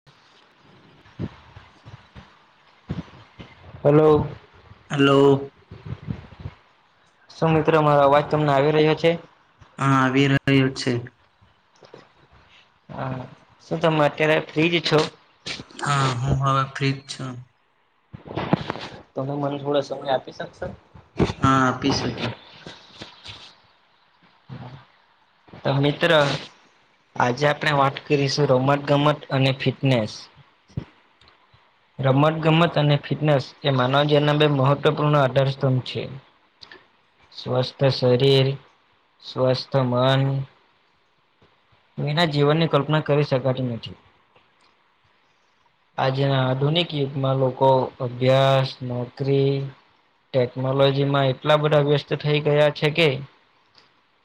[unintelligible] Hello. Hello. શું મિત્રો મારો અવાજ તમને આવી રહ્યો છે? હા આવી રહ્યો છે. હ શું તમે અત્યારે ફ્રીજ છો? હા હું હવે ફ્રીજ છું. તમે મને થોડો સમય આપી શકશો હા આપી શક [inaudible] તો મિત્ર. આજે આપણે વાત કરીશું રમત ગમત અને ફિટનેસ. [unintelligible] રમત ગમત અને ફિટનેસ એ માનવ જવના બે મહત્વપૂર્ણ આધાર સ્તંભ છે. સ્વસ્થ શરીર, સ્વસ્થ મન એના જીવનની કલ્પના કરી શકાતી નથી. આજના આધુનિક યુગમાં લોકો અભ્યાસ નોકરી ટેકનોલોજીમાં એટલા બધા વ્યસ્ત થઈ ગયા છે, કે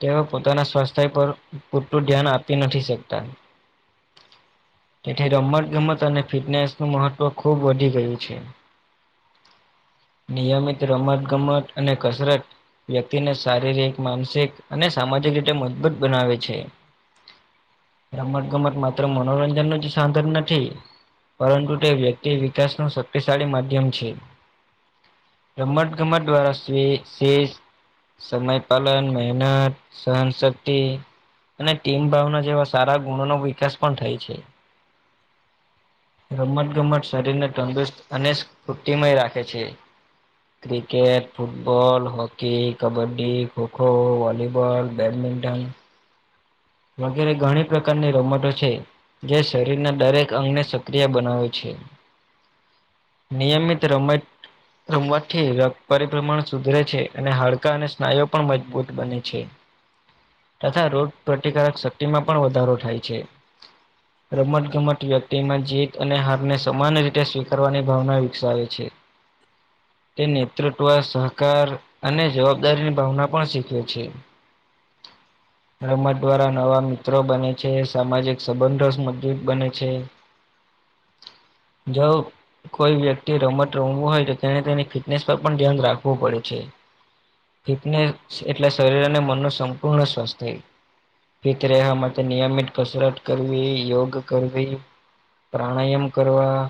તેઓ પોતાના સ્વાસ્થ્ય પર પૂરતું ધ્યાન આપી નથી શકતા તેથી રમત ગમત અને ફિટનેસ નું મહત્વ ખુબ વધી ગયું છે. નિયમિત રમત ગમત અને કસરત. વ્યક્તિને શારીરિક માનસિક અને સામાજિક રીતે મજબૂત બનાવે છે. રમત ગમત માત્ર મનોરંજન નું જ સાધન નથી. પરંતુ તે વ્યક્તિ વિકાસ ન શક્તિશાળી માધ્યમ છે. રમત ગમત દ્વારા શ શ. સમય પાલન મહેનત સહનશક્તિ. અને ટીમ ભાવના જેવા સારા ગુણોનોો વિકાસ પણ થાય છે. રમત ગમત શરીરને તંદુરસ્ત અને સ્ફૂર્તિમય રાખે છે. Cricket football hockey kabaddi kho kho volleyball. Badminton. વગેરે ઘણી પ્રકારની રોમટો છે. જે શરીરના દરેક અંગને સક્રિય બનાવે છે. નિયમિત રમત. રમવાથી રક્ત પરિભ્રમણ સુધરે છે અને હાડકા અને સ્નાયુ પણ મજબૂત બને છે. તથા રોગ પ્રતિકારક શક્તિમાં પણ વધારો થાય છે. રમત ગમત વ્યક્તિમાં જીત અને હારને સમાન રીતે સ્વીકારવાની ભાવના વિકસાવે છે. [unintelligible] તે નેતૃત્વ સહકાર અને જવાબદારીની ભાવના પણ શીખવે છે. રમત દ્વારા નવા મિત્રો બને છે સામાજિક સંબંધો મજબૂત બને છે. જ. કોઈ વ્યક્તિ રમત રમવું હોય તો તેને તેની ફિટનેસ પર પણ ધ્યાન રાખવું પડે છે. ફિટનેસ એટલે શરીર અને મન ન સંપૂર્ણ સ્વસ્થ થય. ફિત રહ માટે નિયમિત કસરત કરવી યોગ કરવી. પ્રાણાયામ કરવા.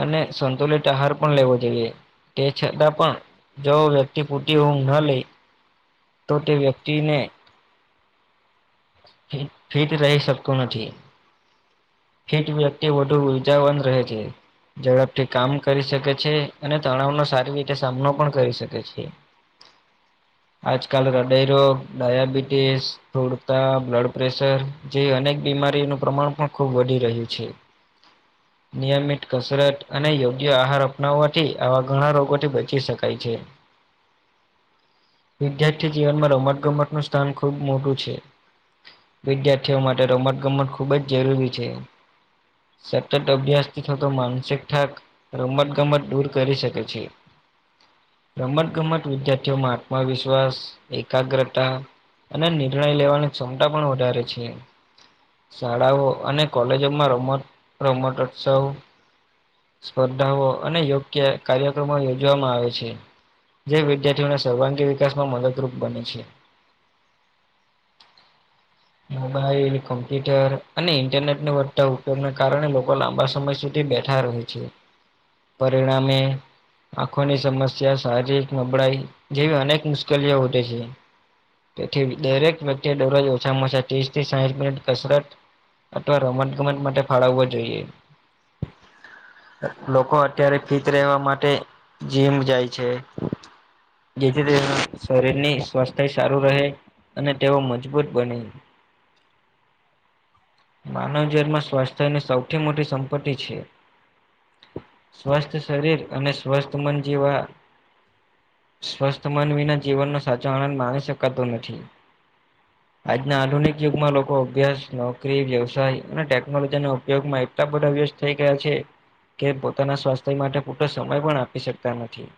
અને સંતુલિત આહાર પણ લેવો જોઈએ તે છતાં પણ. જો વ્યક્તિ ફૂટી ઊંઘ ના લઈ તો તે વ્યક્તિને. ફિટ રહી શકતું નથી. હીટ વ્યક્તિ વધુ ઉજાવન રહે છે. ઝડપથી કામ કરી શકે છે અને તણાવનોો સારી રીતે સામનો પણ કરી શકે છે. આજકાલ હૃદયરો ડાયાબિટીસ થોડું. તા બ્લડ પ્રેશર જેવી અનેક બીમારીનું પ્રમાણ પણ ખૂબ વધી રહ્યું છે. [inaudible] નિયમિત કસરત અને યોગ્ય આહાર અપનાવવાથી આવા ઘણા રોગોથી બચી શકાય છે. વિદ્યાર્થી જીવનમાં રમત ગમત નું સ્થાન ખૂબ મોટું છે. વિદ્યાર્થીઓ માટે રમત ગમત ખુબ જ જરૂરી છે. સતત અભ્યાસ થી થતો માનસિક થઠાક. રમત ગમત દૂર કરી શકે છે. રમત ગમત વિદ્યાર્થીઓમાં આત્મવિશ્વાસ એકાગ્રતા. અને નિર્ણય લેવાની ક્ષમતા પણ વધારે છે. શાળાઓ અને કોલેજોમાં રમ રમટોત્સવ. સ્પર્ધાઓ અને યોગ્ય કાર્યક્રમો યોજવામાં આવે છે. જે વિદ્યાર્થીઓના સર્વાંગી વિકાસમાં મદદરૂપ બને છે. મોબાઈલ કોમ્પ્યુટર અને ઇન્ટરનેટને વધતા ઉપયોગને કારણે લોકો લાંબા સમય સુધી બેઠા હો છે. પરિણામે. આંખોની સમસ્યા શારીરિક નબળાઈ જેવી અનેક મુશ્કેલીઓ વધે છે. તેથી દરેક વ્યક્તિ દરરોજ ઓછામાં ઓછા ત્રીસ થી સાહીઠ મિનિટ કસરત. અથવા રમત ગમત માટે ફાળવવો જોઈએ. લોકો અત્યારે ફિટ રહેવા માટે જીમ જાય છે. જેથી તે શરીર ની સ્વસ્થ સારું રહે. અને તેઓ મજબૂત બને. માનવ જવમાં સ્વાસ્થ્યની સૌથી મોટી સંપત્તિ છે. સ્વસ્થ શરીર અને સ્વસ્થ મન જેવા સ્વસ્થ મન વિના જીવનનો સાચો આનંદ માણી શકાતો નથી. આજના આધુનિક યુગમાં લોકો અભ્યાસ નોકરી વ્યવસાય અને ટેકનોલોજી ઉપયોગમાં બધા વ્યસ્ત થઈ ગયા છે. કે પોતાના સ્વાસ્થ્ય માટે પૂતો સમય પણ આપી શકતા નથી.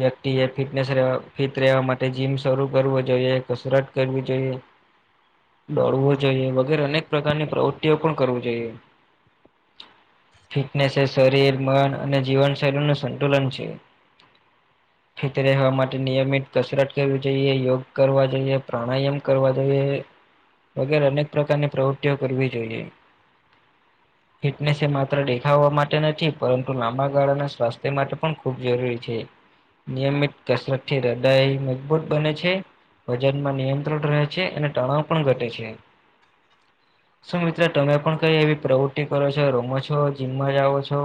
વ્યક્તિ એ ફિટનેસ ફિટ રહેવા માટે જીમ સ્વરૂપ કરવો જોઈએ કસરત કરવી જોઈએ. દોડવો જોઈએ વગેરે અનેક પ્રકારની પ્રવૃત્તિઓ પણ કરવી જોઈએ. ફિટનેસ શરીર મન અને જીવનશૈલીનું સંતુલન છે. ખતે રહેવા માટે નિયમિત કસરત કરવી જોઈએ. યોગ કરવા જોઈએ પ્રાણાયામ કરવા જોઈએ. વગેરે અનેક પ્રકારની પ્રવૃત્તિઓ કરવી જોઈએ. ફિટનેસ એ માત્ર દેખાવા માટે નથી પરંતુ લાંબા ગાળાના સ્વાસ્થ્ય માટે પણ ખૂબ જરૂરી છે. નિયમિત કસરત થી હૃદાય મજબૂત બને છે. વજન નિયંત્રણ રહે છે અને તણાવ પણ ઘટે છે. શું મિત્ર તમે પણ કઈ એવી પ્રવૃત્તિ કરો છો રમો છો જીમમાં જાઓ છો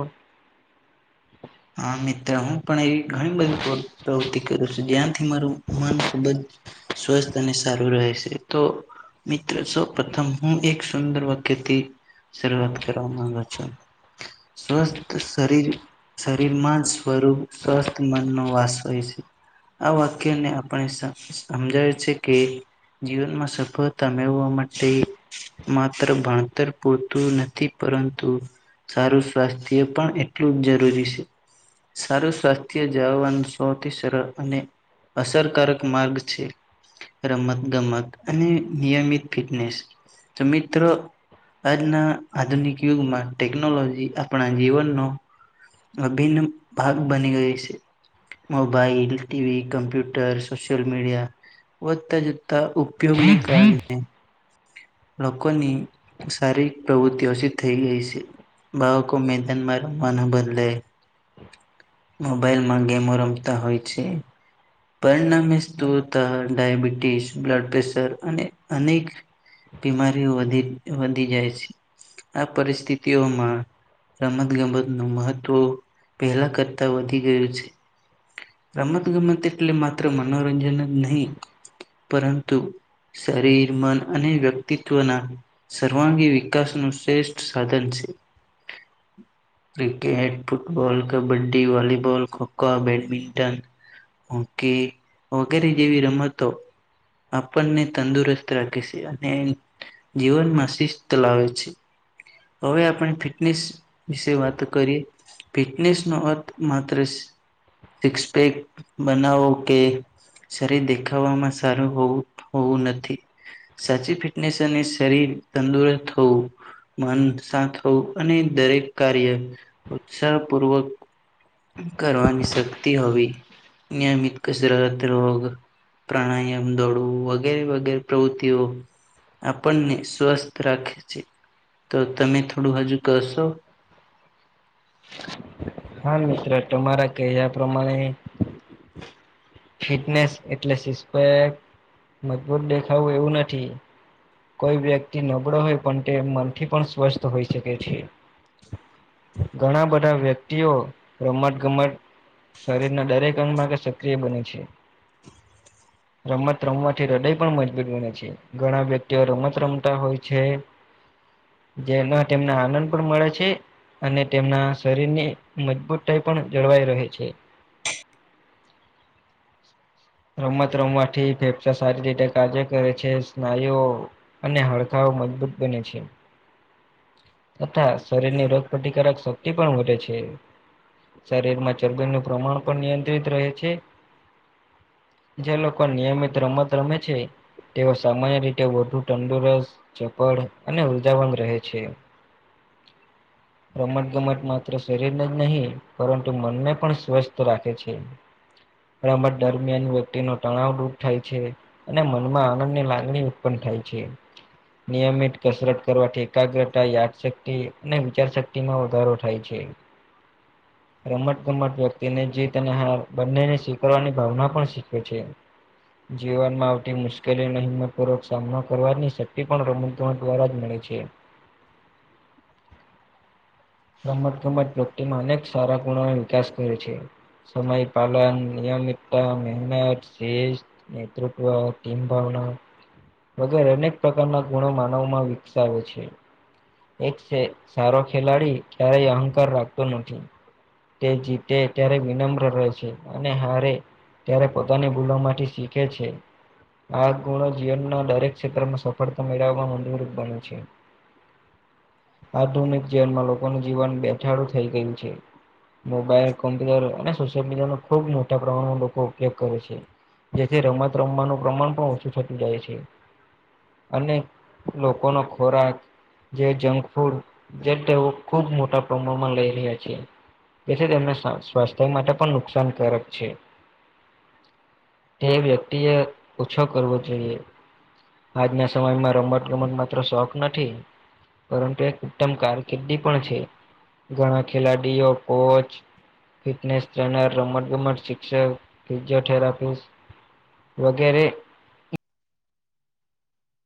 હા મિત્ર હું પણ એવી ઘણી બધી પ્રવૃતિ કરું છું જ્યાંથી મારું મન ખૂબ જ સ્વસ્થ અને સારું રહે છે તો મિત્રો સૌ પ્રથમ હું એક સુંદર વાક્યથી શરૂઆત કરવા માંગુ છું. સ્વસ્થ શરીર શરીરમાં જ ર સ્વસ્થ મન નો વાસય છે. આ વાક્યને આપણે સમજાવે છે કે જીવનમાં સફળતા મેળવા માટે માત્ર ભણતર પૂરતું નથી પરંતુ સારું સ્વાસ્થ્ય પણ એટલું જ જરૂરી છે. સારું સ્વાસ્થ્ય જળવવાનું સૌથી સરળ અને અસરકારક માર્ગ છે. રમત ગમત અને નિયમિત ફિટનેસ તો મિત્રો, આજના આધુનિક યુગમાં ટેકનોલોજી આપણા જીવનનો, અભિન્ન ભાગ બની ગયો છે. Mobile TV computer social media વધતા જ, ત ઉપયોગને કારણે, લોકોની શારીરિક પ્રવૃતિ ઓછી થઈ ગઈ છે. ભાવક ઉમેદન માર ને બદલે, મોબાઈલ માં ગેમો રમતા હોય છે. પરિણામે સ્તો ડયાબિટીસ બ્લડ પ્રેશર અને અનેક, બીમારીઓ વધી વધી જાય છે આ પરિસ્થિતિઓમાં, રમતગમત નું મહત્વ પહેલા કરતા વધી ગયું છે. રમત ગમત એટલે માત્ર મનોરંજન જ નહી પરંતુ શરીર મન અને વ્યક્તિ વ્યક્તિત્વના સર્વાંગી વિકાસનું શ્રેષ્ઠ સાધન છે. [inaudible] Cricket football kabaddi volleyball kho kho badminton, હોકીવગેરે જેવી રમતો, આપણને તંદુરસ્ત રાખે છે અને, જીવનમાં શિસ્ત લાવે છે. હવે આપણે ફિટનેસ વિશે વાત કરીએ. ફિટનેસ નો અર્થ માત્ર સિકપેક બનાવો કે, શરીર દેખાવામાં સારુંવું હોવું નથી સાચી, ફીટનેસ અને શરીર તંદુરસ્ત થવું. મન શાંત થવું અને દરેક કાર્ય ઉત્સાહપૂર્વક કરવાની શક્તિ હોવી નિયમિત કસરત રોગ. પ્રાણાયામ દોડવું વગેરે વગેરે પ્રવૃત્તિઓ. આપણને સ્વસ્થ રાખે છે તો તમે થોડું હજુ કશો હા મિત્ર તમારા કહ્યા પ્રમાણે ફિટનેસ એટલે સિસ્પેક મજબૂત દેખાવું એવું નથી. કોઈ વ્યક્તિ નબળો હોય પણ તે મનથી પણ સ્વસ્થ હોઈ શકે છે. ઘણા બધા વ્યક્તિઓ રમત ગમત શરીરના દરેક અંગ માટે સક્રિય બને છે. રમત રમવાથી હૃદય પણ મજબૂત બને છે ઘણા વ્યક્તિ તે રમત રમતા હોય છે જેમાં તેમને આનંદ પણ મળે છે. અને તેમના શરીરની મજબૂતતાઈ પણ જળવાઈ રહે છે. રમત રમવાથી ફેફસા સારી રીતે કાર્ય કરે છે સ્નાયુઓ અને હાડકા મજબૂત બને છે. તથા શરીર ની રોગ પ્રતિકારક શક્તિ પણ વધે છે. શરીર માં ચરબીનું પ્રમાણ પણ નિયંત્રિત રહે છે. જે લોકો નિયમિત રમત રમે છે. તેઓ સામાન્ય રીતે વધુ તંદુરસ્ત ચપળ અને ઉર્જાવન રહે છે. [inaudible] રમત ગમત માત્ર શરીરને જ નહીં પરંતુ મનને પણ સ્વસ્થ રાખે છે. રમત દરમિયાન વ્યક્તિ ન તણાવ દૂર થાય છે. અને મનમાં આનંદની લાગણી ઉત્પન્ન થાય છે. નિયમિત કસરત કરવાથી એકાગ્રતા યાદશક્તિ અને વિચાર શક્તિમાં વધારો થાય છે. રમત ગમત વ્યક્તિને જીત અને હાર બંનેને સ્વીકારવાની ભાવના પણ શીખે છે. જીવનમાં આવતી મુશ્કેલીઓનો હિંમતપૂર્વક સામનો કરવાની શક્તિ પણ રમત દ્વારા જ મળે છે. રમત ગમત પ્રગતિમાં અનેક સારા ગુણોનો વિકાસ કરે છે. સમય પાલન નયમિતતા મેહેનત શ નેતૃત્વ ટીમ ભાવના વગરે અનેક પ્રકારના ગુણો માનવમાં વિકસાવે છે. એક સારો ખેલાડી ક્યારેય અહંકાર રાખતો નથી તે જીતે ત્યારે વિનમ્ર રહે છે અને હારે ત્યારે પોતાની બોલવા માટેથી શીખે છે. આ ગુણો જીવનના દરેક ક્ષેત્રમાં સફળતા મેળવવાવામાં મુરૂપ બન છે. આધુનિક જેલમાં લોકોનું જીવન બેઠાડું થઈ ગયું છે. મોબાઈલ કોમ્પ્યુટર અને સોશિયલ મીડિયા ન ખુબ મોટા પ્રમાણમાં લોકો ઉપયોગ કરે છે. જેથી રમત રમવાનું પ્રમાણ પણ ઓછું થતું જાય છે. અને લોકોનો ખોરાક જે જંક ફૂડ જે તેવુ ખુબ મોટા પ્રમાણમાં લઈ રહ્યા છીએ. જેથી તેમને સ્વાસ્થ્ય માટે પણ નુકસાનકારક છે. તે વ્યક્તિએ ઓછો કરવો જોઈએ આજના સમયમાં રમત ગમત માત્ર શોખ નથી. પરંતુ એક ઉત્તમ કારકિર્દી પણ છે ઘણા ખેલાડીઓ કોચ ફિટનેસ ટ્રેનર રમત ગમત શિક્ષક ફિઝિયોથેરાપી વગેરે